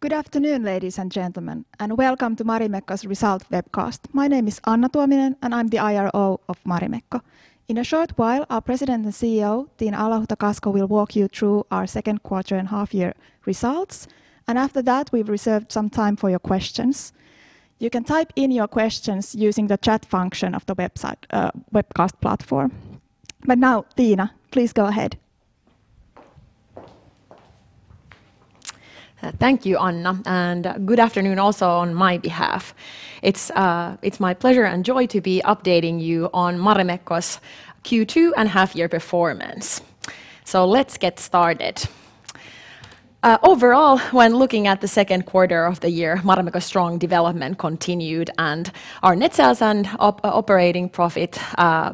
Good afternoon, ladies and gentlemen, and Welcome to Marimekko's Result Webcast. My name is Anna Tuominen, and I'm the IRO of Marimekko. In a short while, our President and CEO, Tiina Alahuhta-Kasko, will walk you through our second quarter and half-year results. After that, we've reserved some time for your questions. You can type in your questions using the chat function of the webcast platform. Now, Tiina, please go ahead. Thank you, Anna, and good afternoon also on my behalf. It's my pleasure and joy to be updating you on Marimekko's Q2 and half-year performance. Let's get started. Overall, when looking at the second quarter of the year, Marimekko's strong development continued, and our net sales and operating profit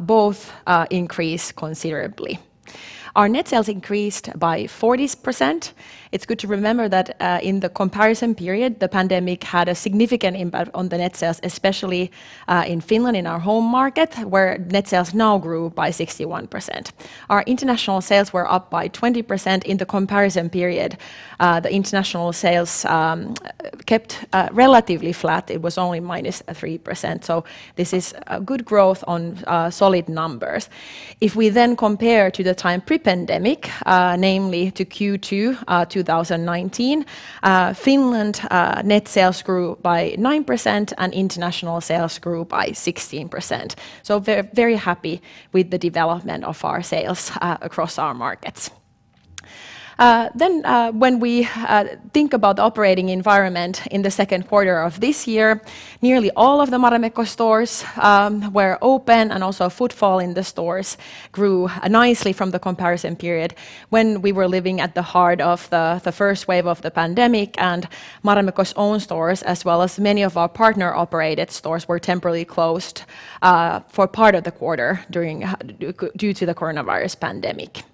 both increased considerably. Our net sales increased by 40%. It's good to remember that in the comparison period, the pandemic had a significant impact on the net sales, especially in Finland, in our home market, where net sales now grew by 61%. Our international sales were up by 20%. In the comparison period, the international sales kept relatively flat. It was only minus 3%. This is good growth on solid numbers. If we then compare to the time pre-pandemic, namely to Q2 2019, Finland net sales grew by 9%, and international sales grew by 16%. Very happy with the development of our sales across our markets. When we think about the operating environment in the second quarter of this year, nearly all of the Marimekko stores were open and also footfall in the stores grew nicely from the comparison period when we were living at the heart of the first wave of the pandemic, and Marimekko's own stores, as well as many of our partner-operated stores, were temporarily closed for part of the quarter due to the coronavirus pandemic.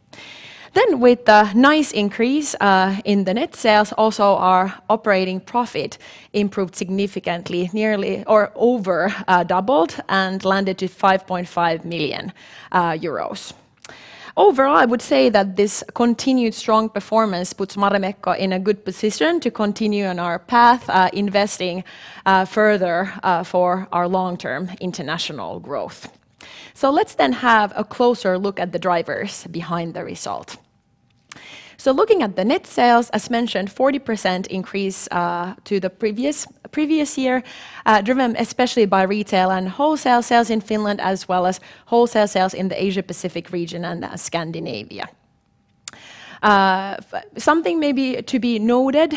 With the nice increase in the net sales, also our operating profit improved significantly, over doubled, and landed to 5.5 million euros. Overall, I would say that this continued strong performance puts Marimekko in a good position to continue on our path, investing further for our long-term international growth. Let's have a closer look at the drivers behind the result. Looking at the net sales, as mentioned, 40% increase to the previous year, driven especially by retail and wholesale sales in Finland, as well as wholesale sales in the Asia-Pacific region and Scandinavia. Something maybe to be noted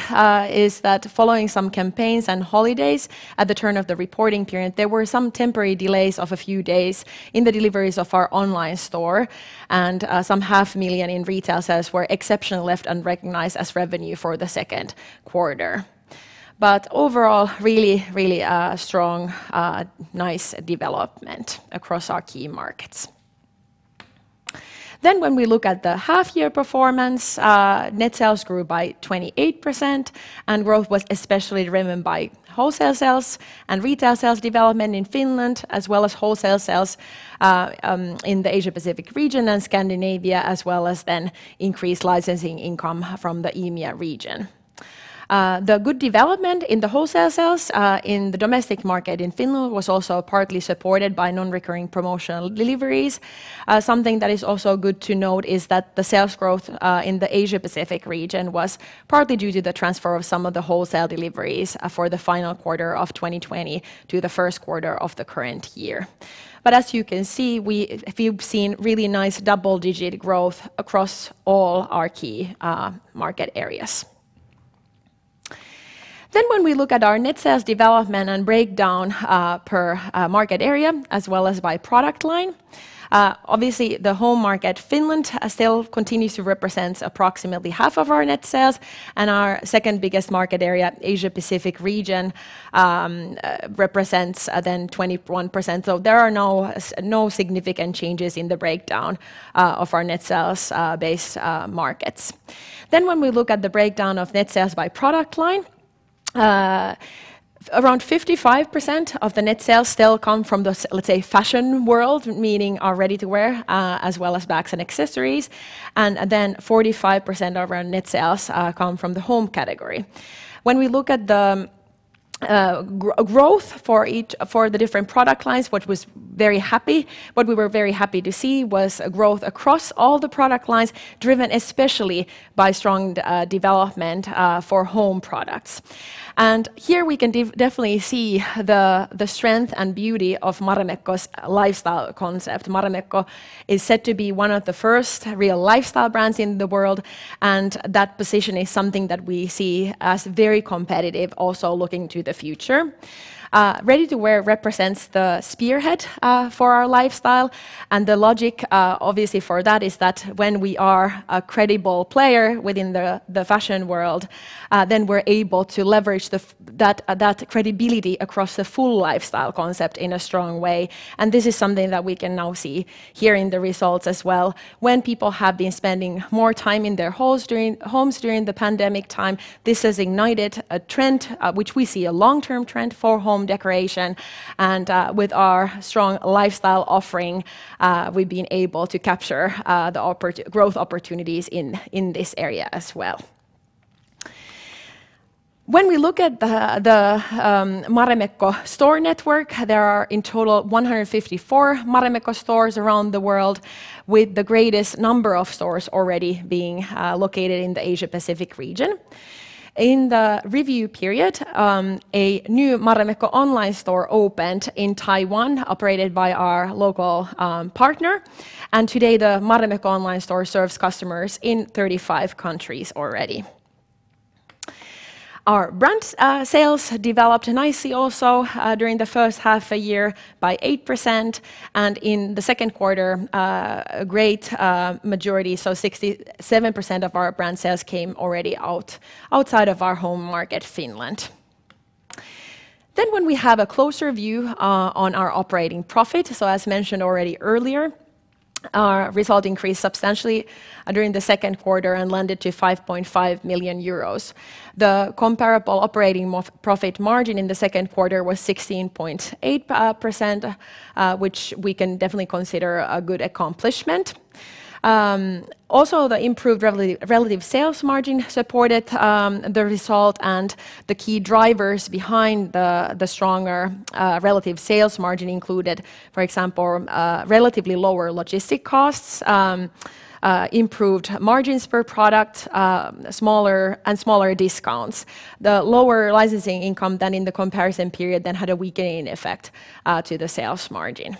is that following some campaigns and holidays at the turn of the reporting period, there were some temporary delays of a few days in the deliveries of our online store and some EUR half million in retail sales were exceptionally left unrecognized as revenue for the second quarter. Overall, really a strong, nice development across our key markets. When we look at the half-year performance, net sales grew by 28%, and growth was especially driven by wholesale sales and retail sales development in Finland as well as wholesale sales in the Asia-Pacific region and Scandinavia, as well as increased licensing income from the EMEA region. The good development in the wholesale sales in the domestic market in Finland was also partly supported by non-recurring promotional deliveries. Something that is also good to note is that the sales growth in the Asia-Pacific region was partly due to the transfer of some of the wholesale deliveries for the final quarter of 2020 to the first quarter of the current year. As you can see, we've seen really nice double-digit growth across all our key market areas. When we look at our net sales development and breakdown per market area as well as by product line, obviously the home market, Finland, still continues to represent approximately half of our net sales, and our second biggest market area, Asia-Pacific region, represents then 21%. There are no significant changes in the breakdown of our net sales base markets. When we look at the breakdown of net sales by product line, around 55% of the net sales still come from the, let's say, fashion world, meaning our ready-to-wear as well as bags and accessories, and then 45% of our net sales come from the home category. When we look at the growth for the different product lines, what we were very happy to see was a growth across all the product lines driven especially by strong development for home products. Here we can definitely see the strength and beauty of Marimekko's lifestyle concept. Marimekko is said to be one of the first real lifestyle brands in the world, and that position is something that we see as very competitive also looking to the future. Ready-to-wear represents the spearhead for our lifestyle. The logic obviously for that is that when we are a credible player within the fashion world, then we're able to leverage that credibility across the full lifestyle concept in a strong way. This is something that we can now see here in the results as well. When people have been spending more time in their homes during the pandemic time, this has ignited a trend, which we see a long-term trend, for home decoration. With our strong lifestyle offering, we've been able to capture the growth opportunities in this area as well. When we look at the Marimekko store network, there are in total 154 Marimekko stores around the world, with the greatest number of stores already being located in the Asia-Pacific region. In the review period, a new Marimekko online store opened in Taiwan, operated by our local partner. Today, the Marimekko online store serves customers in 35 countries already. Our brand sales developed nicely also during the first half a year by 8%, and in the second quarter, a great majority, so 67% of our brand sales came already outside of our home market, Finland. When we have a closer view on our operating profit, so as mentioned already earlier, our result increased substantially during the second quarter and landed to 5.5 million euros. The comparable operating profit margin in the second quarter was 16.8%, which we can definitely consider a good accomplishment. The improved relative sales margin supported the result and the key drivers behind the stronger relative sales margin included, for example, relatively lower logistic costs, improved margins per product, and smaller discounts. The lower licensing income than in the comparison period then had a weakening effect to the sales margin.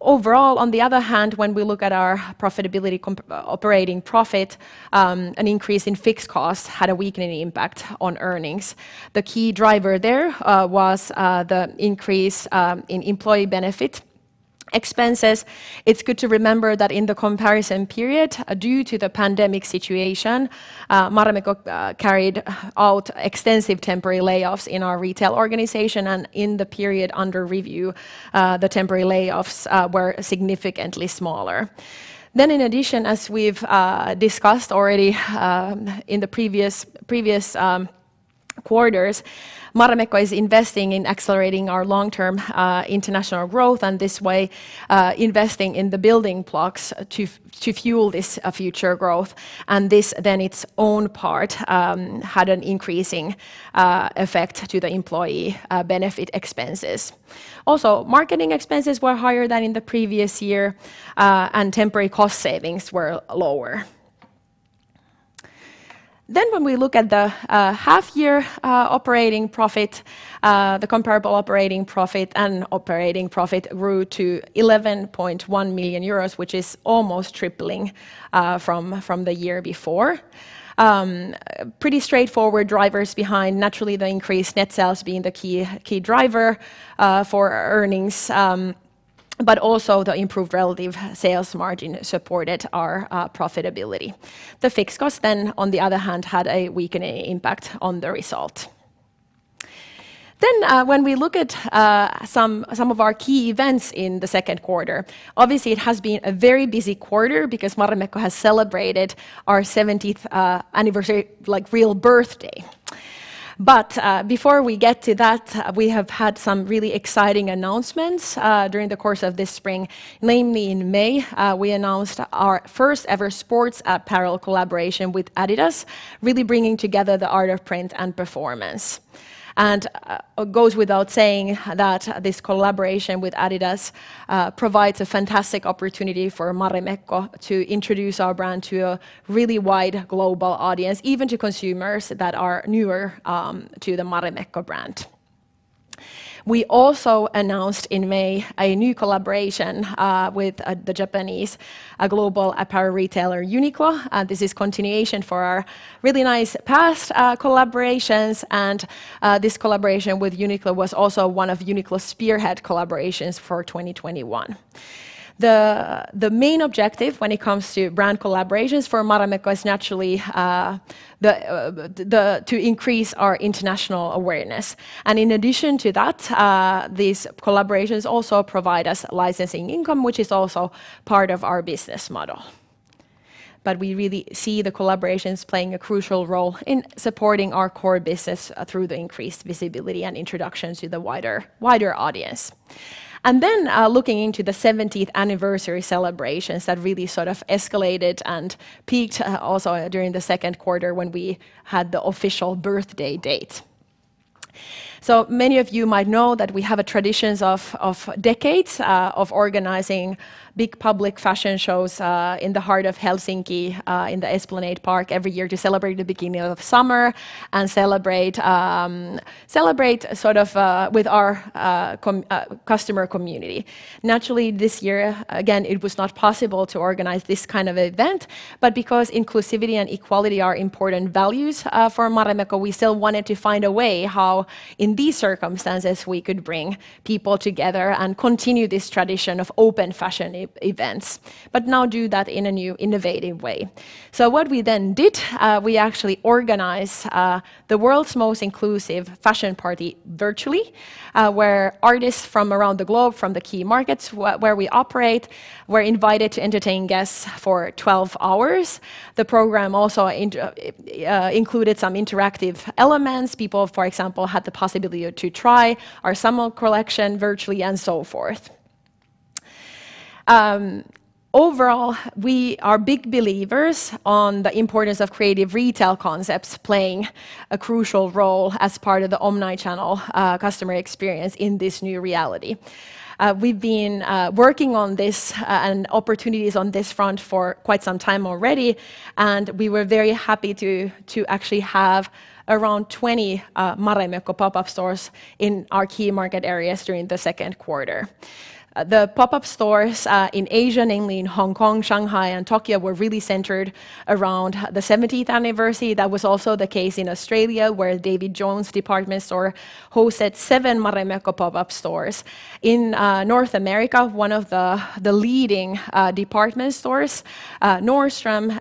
Overall, on the other hand, when we look at our profitability operating profit, an increase in fixed costs had a weakening impact on earnings. The key driver there was the increase in employee benefit expenses. It's good to remember that in the comparison period, due to the pandemic situation, Marimekko carried out extensive temporary layoffs in our retail organization, and in the period under review, the temporary layoffs were significantly smaller. In addition, as we've discussed already in the previous quarters, Marimekko is investing in accelerating our long-term international growth, and this way, investing in the building blocks to fuel this future growth. This then its own part, had an increasing effect to the employee benefit expenses. Also, marketing expenses were higher than in the previous year, and temporary cost savings were lower. When we look at the half-year operating profit, the comparable operating profit and operating profit grew to 11.1 million euros, which is almost tripling from the year before. Pretty straightforward drivers behind, naturally, the increased net sales being the key driver for earnings, but also the improved relative sales margin supported our profitability. The fixed cost, on the other hand, had a weakening impact on the result. When we look at some of our key events in the second quarter, obviously it has been a very busy quarter because Marimekko has celebrated our 70th anniversary, like real birthday. Before we get to that, we have had some really exciting announcements during the course of this spring. Mainly in May, we announced our first ever sports apparel collaboration with adidas, really bringing together the art of print and performance. It goes without saying that this collaboration with adidas provides a fantastic opportunity for Marimekko to introduce our brand to a really wide global audience, even to consumers that are newer to the Marimekko brand. We also announced in May a new collaboration with the Japanese global apparel retailer UNIQLO. This is continuation for our really nice past collaborations, and this collaboration with UNIQLO was also one of UNIQLO's spearhead collaborations for 2021. The main objective when it comes to brand collaborations for Marimekko is naturally to increase our international awareness. In addition to that, these collaborations also provide us licensing income, which is also part of our business model. We really see the collaborations playing a crucial role in supporting our core business through the increased visibility and introduction to the wider audience. Looking into the 70th anniversary celebrations that really sort of escalated and peaked also during the second quarter when we had the official birthday date. Many of you might know that we have a traditions of decades of organizing big public fashion shows in the heart of Helsinki, in the Esplanade Park every year to celebrate the beginning of summer and celebrate sort of with our customer community. Naturally, this year, again, it was not possible to organize this kind of event, but because inclusivity and equality are important values for Marimekko, we still wanted to find a way how, in these circumstances, we could bring people together and continue this tradition of open fashion events, but now do that in a new, innovative way. What we then did, we actually organized the world's most inclusive fashion party virtually, where artists from around the globe, from the key markets where we operate, were invited to entertain guests for 12 hours. The program also included some interactive elements. People, for example, had the possibility to try our summer collection virtually and so forth. Overall, we are big believers on the importance of creative retail concepts playing a crucial role as part of the omni-channel customer experience in this new reality. We've been working on this and opportunities on this front for quite some time already, and we were very happy to actually have around 20 Marimekko pop-up stores in our key market areas during the second quarter. The pop-up stores in Asia, namely in Hong Kong, Shanghai, and Tokyo, were really centered around the 70th anniversary. That was also the case in Australia, where David Jones department store hosted seven Marimekko pop-up stores. In North America, one of the leading department stores, Nordstrom,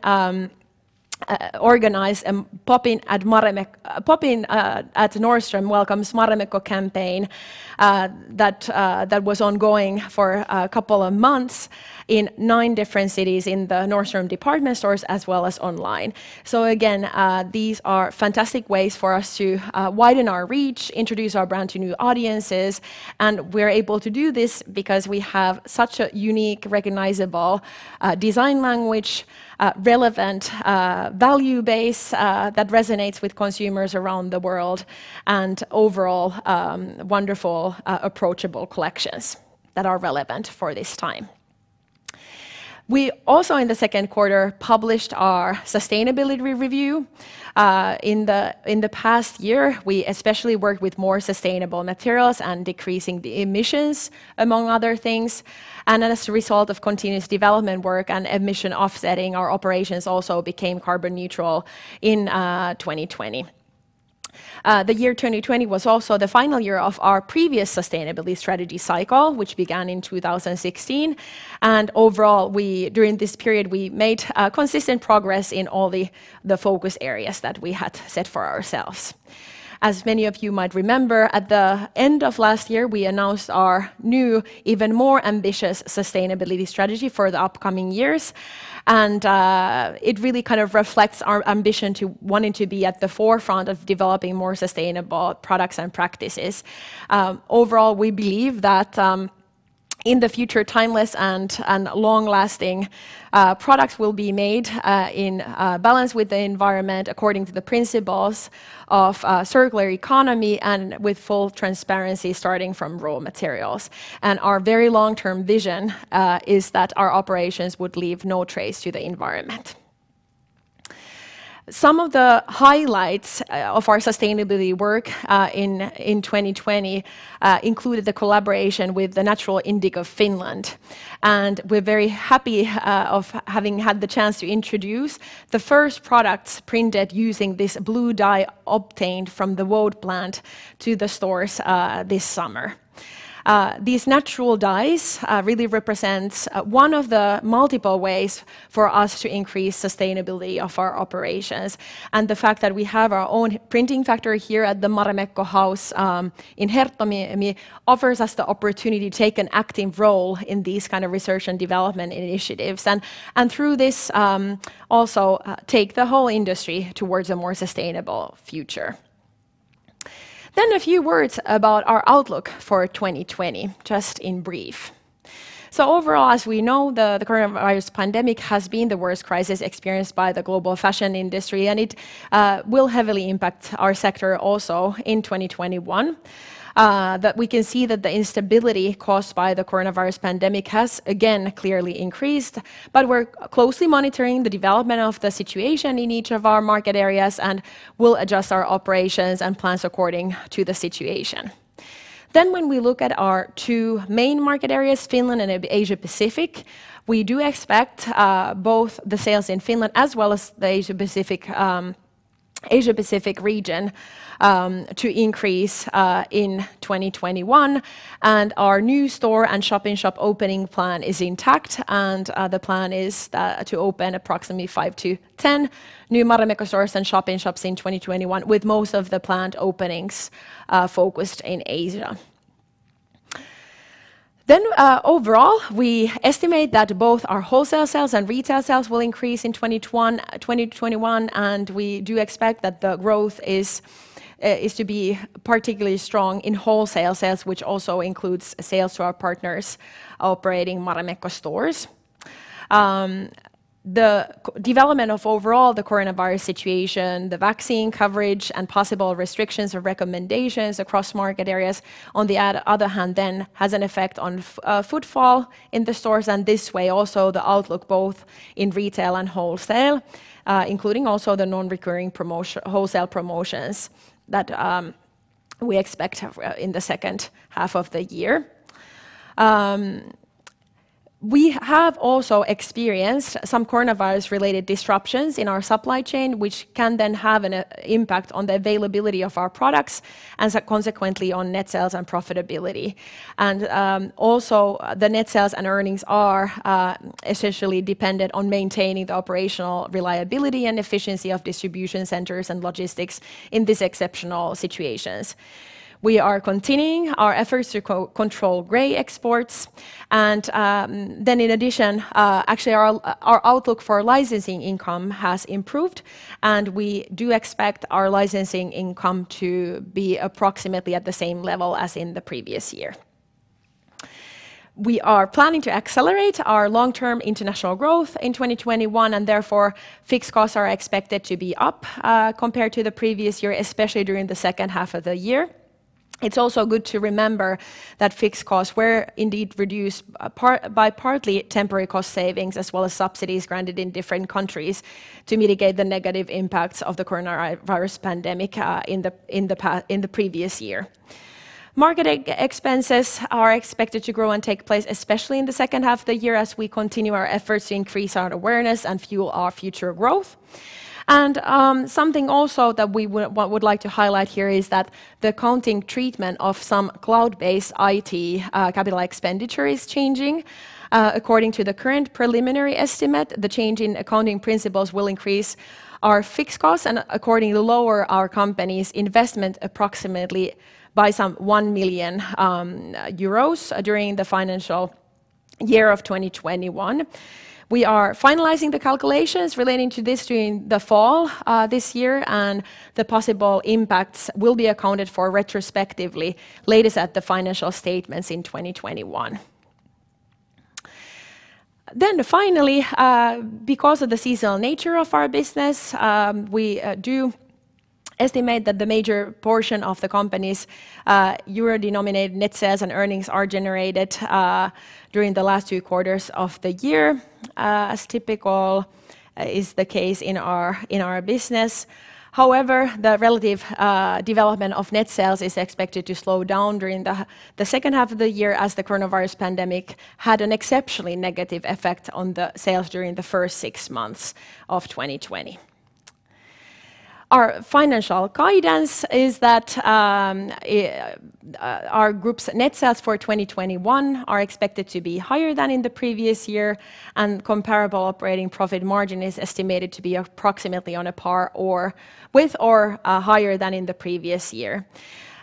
organized a Pop-In@Nordstrom Welcomes Marimekko campaign that was ongoing for a couple of months in nine different cities in the Nordstrom department stores as well as online. Again, these are fantastic ways for us to widen our reach, introduce our brand to new audiences, and we're able to do this because we have such a unique, recognizable design language, relevant value base that resonates with consumers around the world, and overall wonderful, approachable collections that are relevant for this time. We also, in the second quarter, published our sustainability review. In the past year, we especially worked with more sustainable materials and decreasing the emissions, among other things. As a result of continuous development work and emission offsetting, our operations also became carbon neutral in 2020. The year 2020 was also the final year of our previous sustainability strategy cycle, which began in 2016. Overall, during this period, we made consistent progress in all the focus areas that we had set for ourselves. As many of you might remember, at the end of last year, we announced our new, even more ambitious sustainability strategy for the upcoming years. It really kind of reflects our ambition to wanting to be at the forefront of developing more sustainable products and practices. Overall, we believe that in the future, timeless and long-lasting products will be made in balance with the environment according to the principles of circular economy and with full transparency starting from raw materials. Our very long-term vision is that our operations would leave no trace to the environment. Some of the highlights of our sustainability work in 2020 included the collaboration with the Natural Indigo Finland. We're very happy of having had the chance to introduce the first products printed using this blue dye obtained from the woad plant to the stores this summer. These natural dyes really represent one of the multiple ways for us to increase sustainability of our operations. The fact that we have our own printing factory here at the Marimekko House in Herttoniemi offers us the opportunity to take an active role in these kind of research and development initiatives, and through this, also take the whole industry towards a more sustainable future. A few words about our outlook for 2020, just in brief. Overall, as we know, the coronavirus pandemic has been the worst crisis experienced by the global fashion industry, and it will heavily impact our sector also in 2021. That we can see that the instability caused by the coronavirus pandemic has again clearly increased, but we're closely monitoring the development of the situation in each of our market areas and will adjust our operations and plans according to the situation. When we look at our two main market areas, Finland and Asia-Pacific, we do expect both the sales in Finland as well as the Asia-Pacific region to increase in 2021. Our new store and shop-in-shop opening plan is intact, and the plan is to open approximately five to 10 new Marimekko stores and shop-in-shops in 2021, with most of the planned openings focused in Asia. Overall, we estimate that both our wholesale sales and retail sales will increase in 2021, and we do expect that the growth is to be particularly strong in wholesale sales, which also includes sales to our partners operating Marimekko stores. The development of overall the coronavirus situation, the vaccine coverage, and possible restrictions or recommendations across market areas, on the other hand then, has an effect on footfall in the stores, and this way also the outlook both in retail and wholesale, including also the non-recurring wholesale promotions that we expect in the second half of the year. We have also experienced some coronavirus-related disruptions in our supply chain, which can then have an impact on the availability of our products and so consequently on net sales and profitability. Also, the net sales and earnings are essentially dependent on maintaining the operational reliability and efficiency of distribution centers and logistics in these exceptional situations. We are continuing our efforts to control gray exports. In addition, actually, our outlook for licensing income has improved, and we do expect our licensing income to be approximately at the same level as in the previous year. We are planning to accelerate our long-term international growth in 2021, and therefore fixed costs are expected to be up compared to the previous year, especially during the second half of the year. It's also good to remember that fixed costs were indeed reduced by partly temporary cost savings, as well as subsidies granted in different countries to mitigate the negative impacts of the coronavirus pandemic in the previous year. Marketing expenses are expected to grow and take place, especially in the second half of the year as we continue our efforts to increase our awareness and fuel our future growth. Something also that we would like to highlight here is that the accounting treatment of some cloud-based IT capital expenditure is changing. According to the current preliminary estimate, the change in accounting principles will increase our fixed costs and accordingly lower our company's investment approximately by some 1 million euros during the financial year of 2021. We are finalizing the calculations relating to this during the fall this year, and the possible impacts will be accounted for retrospectively, latest at the financial statements in 2021. Finally, because of the seasonal nature of our business, we do estimate that the major portion of the company's euro-denominated net sales and earnings are generated during the last two quarters of the year, as typical is the case in our business. However, the relative development of net sales is expected to slow down during the second half of the year as the coronavirus pandemic had an exceptionally negative effect on the sales during the first six months of 2020. Our financial guidance is that our group's net sales for 2021 are expected to be higher than in the previous year, and comparable operating profit margin is estimated to be approximately on a par or with, or higher than in the previous year.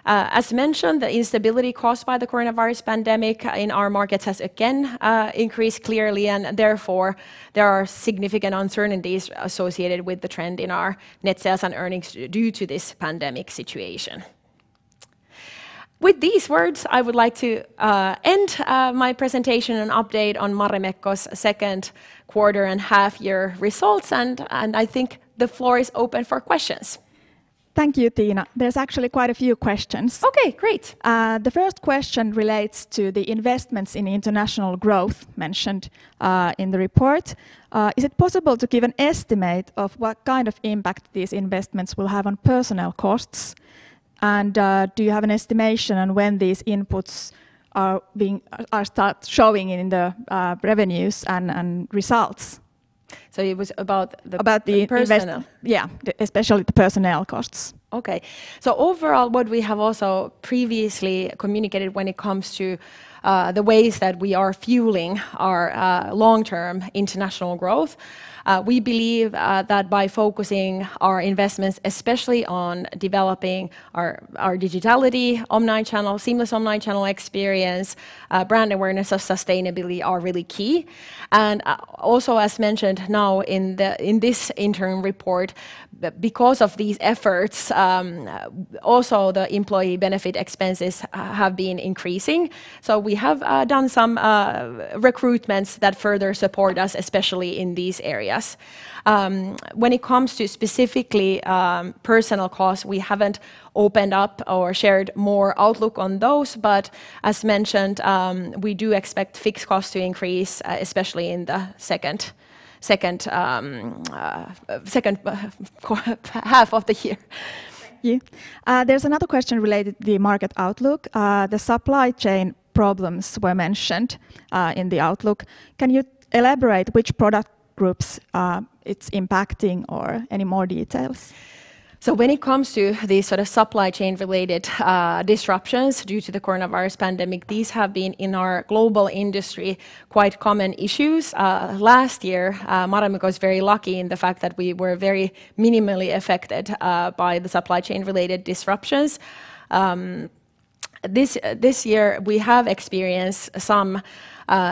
As mentioned, the instability caused by the coronavirus pandemic in our markets has again increased clearly, and therefore there are significant uncertainties associated with the trend in our net sales and earnings due to this pandemic situation. With these words, I would like to end my presentation and update on Marimekko's second quarter and half year results, and I think the floor is open for questions. Thank you, Tiina. There's actually quite a few questions. Okay, great. The first question relates to the investments in international growth mentioned in the report. Is it possible to give an estimate of what kind of impact these investments will have on personnel costs? Do you have an estimation on when these inputs will start showing in the revenues and results? It was about the personnel. Yeah, especially the personnel costs. Overall, what we have also previously communicated when it comes to the ways that we are fueling our long-term international growth, we believe that by focusing our investments, especially on developing our digitality, seamless online channel experience, brand awareness of sustainability are really key. Also, as mentioned now in this interim report, because of these efforts, also the employee benefit expenses have been increasing. We have done some recruitments that further support us, especially in these areas. When it comes to specifically personnel costs, we haven't opened up or shared more outlook on those. As mentioned, we do expect fixed costs to increase, especially in the second half of the year. Thank you. There's another question related to the market outlook. The supply chain problems were mentioned in the outlook. Can you elaborate which product groups it's impacting or any more details? When it comes to the supply chain related disruptions due to the coronavirus pandemic, these have been, in our global industry, quite common issues. Last year, Marimekko's very lucky in the fact that we were very minimally affected by the supply chain related disruptions. This year, we have experienced some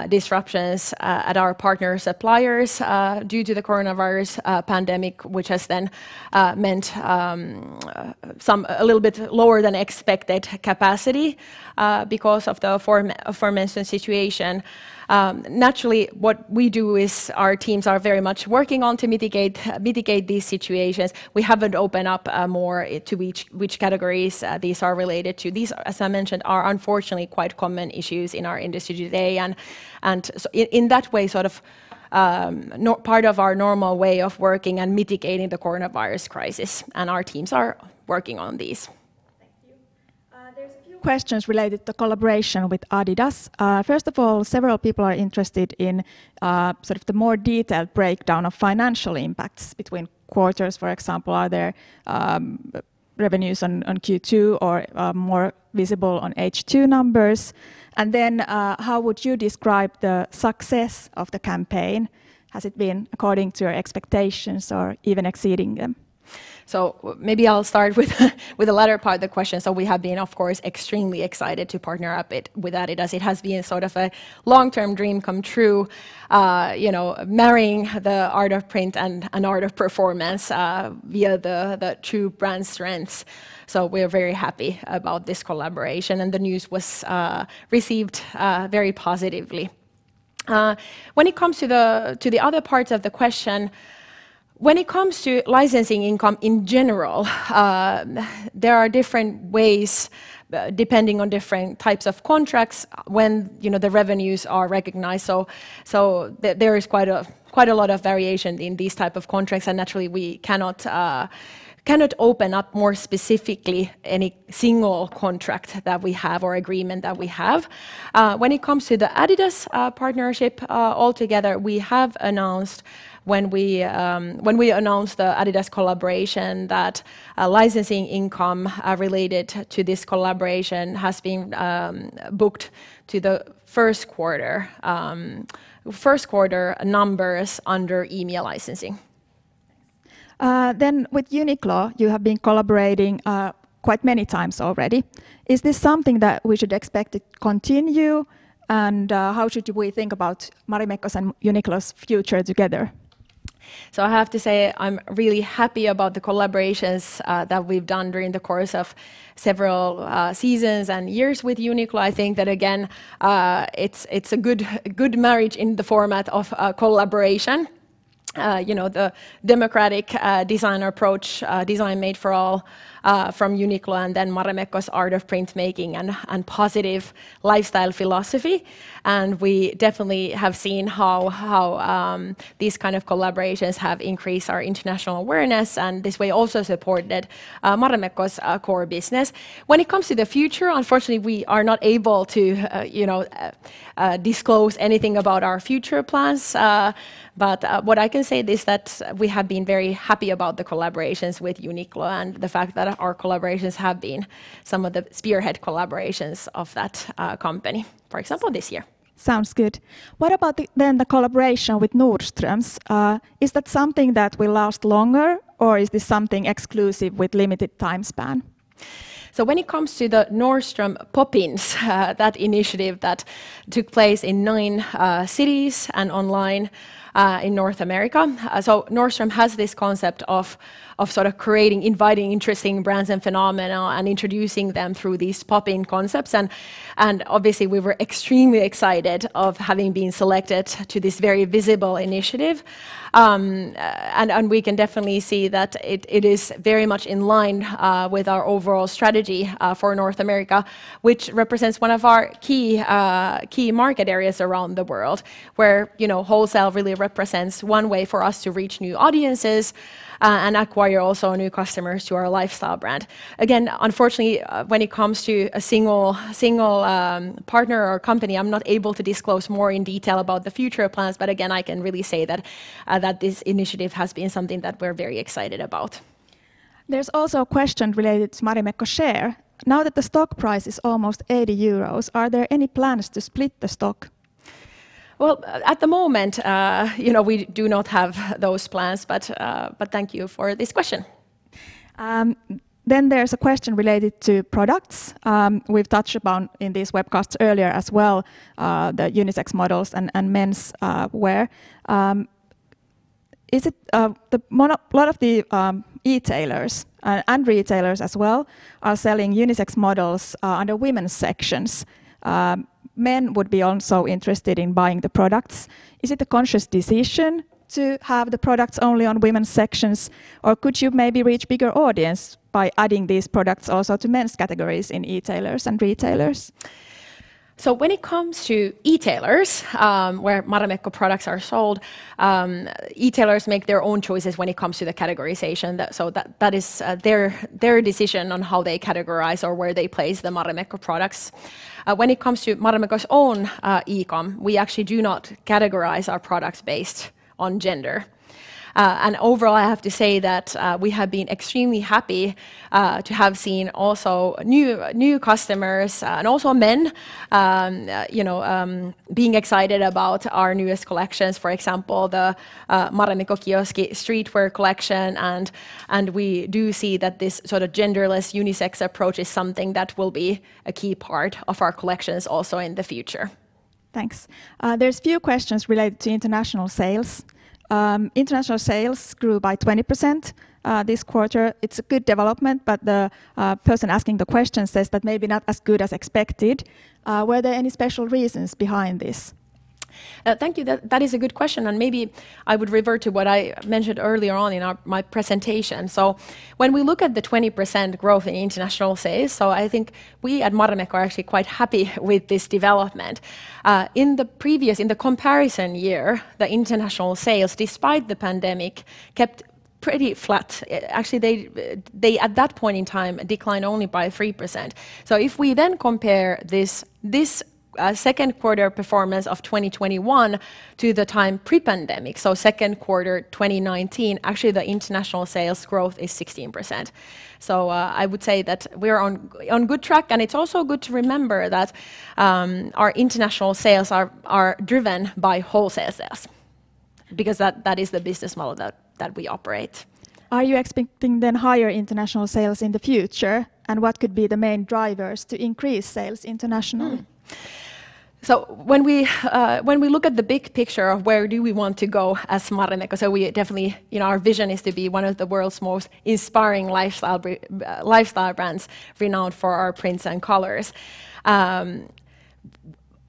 disruptions at our partner suppliers due to the coronavirus pandemic, which has then meant a little bit lower than expected capacity because of the aforementioned situation. Naturally, what we do is our teams are very much working on to mitigate these situations. We haven't opened up more to which categories these are related to. These, as I mentioned, are unfortunately quite common issues in our industry today, and in that way, part of our normal way of working and mitigating the coronavirus crisis, and our teams are working on these. Thank you. There's a few questions related to collaboration with adidas. First of all, several people are interested in the more detailed breakdown of financial impacts between quarters. For example, are there revenues on Q2 or more visible on H2 numbers? How would you describe the success of the campaign? Has it been according to your expectations or even exceeding them? Maybe I'll start with the latter part of the question. We have been, of course, extremely excited to partner up with adidas. It has been a long-term dream come true marrying the art of print and art of performance via the two brand strengths. We are very happy about this collaboration, and the news was received very positively. When it comes to the other parts of the question, when it comes to licensing income in general, there are different ways, depending on different types of contracts, when the revenues are recognized. There is quite a lot of variation in these type of contracts, and naturally we cannot open up more specifically any single contract that we have or agreement that we have. When it comes to the adidas partnership altogether, we have announced when we announced the adidas collaboration, that licensing income related to this collaboration has been booked to the first quarter numbers under EMEA licensing. Thanks. With UNIQLO, you have been collaborating quite many times already. Is this something that we should expect to continue? How should we think about Marimekko's and UNIQLO's future together? I have to say, I'm really happy about the collaborations that we've done during the course of several seasons and years with UNIQLO. I think that, again, it's a good marriage in the format of a collaboration. The democratic design approach, design made for all from UNIQLO, and then Marimekko's art of printmaking and positive lifestyle philosophy. We definitely have seen how these kind of collaborations have increased our international awareness, and this way also supported Marimekko's core business. When it comes to the future, unfortunately, we are not able to disclose anything about our future plans. What I can say is that we have been very happy about the collaborations with UNIQLO, and the fact that our collaborations have been some of the spearhead collaborations of that company, for example, this year. Sounds good. What about the collaboration with Nordstrom? Is that something that will last longer, or is this something exclusive with limited time span? When it comes to the Nordstrom Pop-In@Nordstrom, that initiative that took place in nine cities and online in North America. Nordstrom has this concept of creating, inviting interesting brands and phenomena, and introducing them through these Pop-In concepts. Obviously, we were extremely excited of having been selected to this very visible initiative. We can definitely see that it is very much in line with our overall strategy for North America, which represents one of our key market areas around the world, where wholesale really represents one way for us to reach new audiences and acquire also new customers to our lifestyle brand. Again, unfortunately, when it comes to a single partner or company, I'm not able to disclose more in detail about the future plans. Again, I can really say that this initiative has been something that we're very excited about. There's also a question related to Marimekko share. Now that the stock price is almost 80 euros, are there any plans to split the stock? Well, at the moment, we do not have those plans, but thank you for this question. There's a question related to products. We've touched upon in these webcasts earlier as well, the unisex models and men's wear. A lot of the e-tailers, and retailers as well, are selling unisex models under women's sections. Men would be also interested in buying the products. Is it a conscious decision to have the products only on women's sections, or could you maybe reach bigger audience by adding these products also to men's categories in e-tailers and retailers? When it comes to e-tailers where Marimekko products are sold, e-tailers make their own choices when it comes to the categorization. That is their decision on how they categorize or where they place the Marimekko products. When it comes to Marimekko's own e-com, we actually do not categorize our products based on gender. Overall, I have to say that we have been extremely happy to have seen also new customers and also men being excited about our newest collections. For example, the Marimekko Kioski streetwear collection, and we do see that this sort of genderless unisex approach is something that will be a key part of our collections also in the future. Thanks. There's few questions related to international sales. International sales grew by 20% this quarter. It's a good development, but the person asking the question says that maybe not as good as expected. Were there any special reasons behind this? Thank you. That is a good question, and maybe I would revert to what I mentioned earlier on in my presentation. When we look at the 20% growth in international sales, I think we at Marimekko are actually quite happy with this development. In the comparison year, the international sales, despite the pandemic, kept pretty flat. Actually, they at that point in time declined only by 3%. If we then compare this second quarter performance of 2021 to the time pre-pandemic, second quarter 2019, actually the international sales growth is 16%. I would say that we are on good track, and it's also good to remember that our international sales are driven by wholesale sales, because that is the business model that we operate. Are you expecting then higher international sales in the future? What could be the main drivers to increase sales international? When we look at the big picture of where do we want to go as Marimekko, so definitely our vision is to be one of the world's most inspiring lifestyle brands renowned for our prints and colors.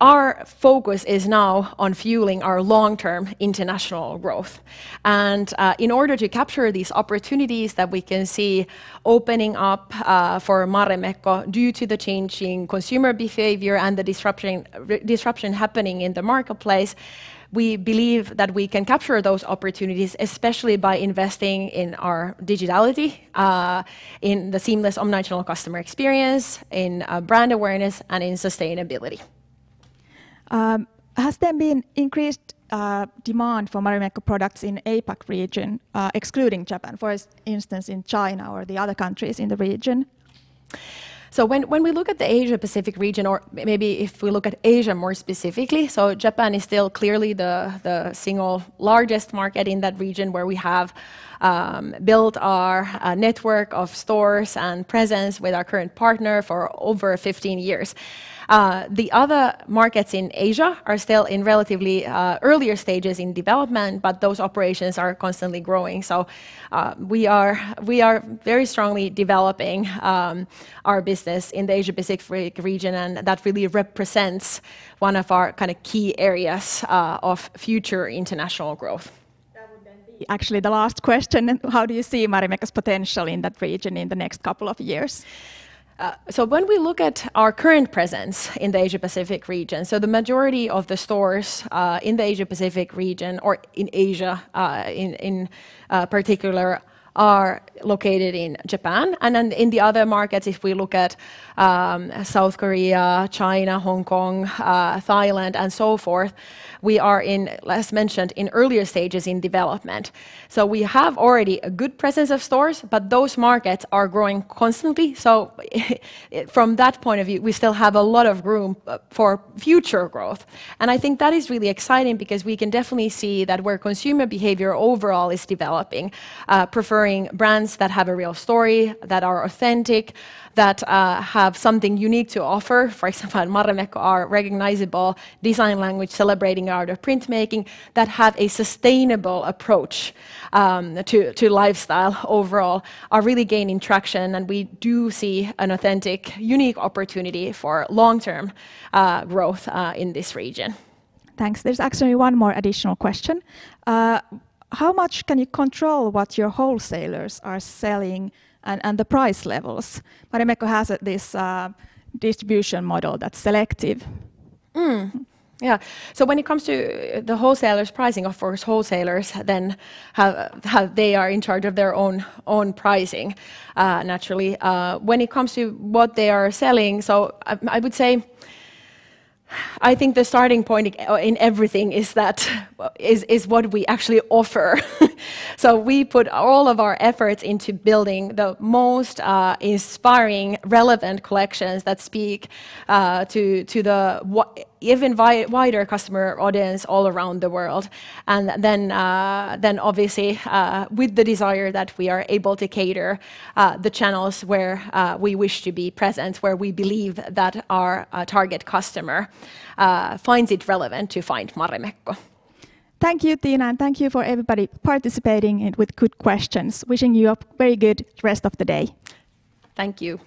Our focus is now on fueling our long-term international growth. In order to capture these opportunities that we can see opening up for Marimekko due to the changing consumer behavior and the disruption happening in the marketplace, we believe that we can capture those opportunities, especially by investing in our digitality, in the seamless omnichannel customer experience, in brand awareness, and in sustainability. Has there been increased demand for Marimekko products in APAC region, excluding Japan, for instance, in China or the other countries in the region? When we look at the Asia-Pacific region, or maybe if we look at Asia more specifically, Japan is still clearly the single largest market in that region, where we have built our network of stores and presence with our current partner for over 15 years. The other markets in Asia are still in relatively earlier stages in development, but those operations are constantly growing. We are very strongly developing our business in the Asia-Pacific region, and that really represents one of our key areas of future international growth. That would be actually the last question then. How do you see Marimekko's potential in that region in the next couple of years? When we look at our current presence in the Asia-Pacific region, so the majority of the stores in the Asia-Pacific region or in Asia, in particular, are located in Japan. In the other markets, if we look at South Korea, China, Hong Kong, Thailand, and so forth, we are in, as mentioned, in earlier stages in development. We have already a good presence of stores, but those markets are growing constantly. From that point of view, we still have a lot of room for future growth. I think that is really exciting because we can definitely see that where consumer behavior overall is developing, preferring brands that have a real story, that are authentic, that have something unique to offer. For example, Marimekko, our recognizable design language celebrating the art of printmaking, that have a sustainable approach to lifestyle overall are really gaining traction. We do see an authentic, unique opportunity for long-term growth in this region. Thanks. There's actually one more additional question. How much can you control what your wholesalers are selling and the price levels? Marimekko has this distribution model that's selective. Yeah. When it comes to the wholesalers' pricing, of course, wholesalers, then they are in charge of their own pricing naturally. When it comes to what they are selling, I would say, I think the starting point in everything is what we actually offer. We put all of our efforts into building the most inspiring, relevant collections that speak to the even wider customer audience all around the world. Obviously, with the desire that we are able to cater the channels where we wish to be present, where we believe that our target customer finds it relevant to find Marimekko. Thank you, Tiina, thank you for everybody participating and with good questions. Wishing you a very good rest of the day. Thank you.